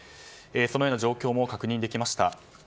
そのような状況も確認できました。